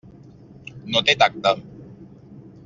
No té tacte.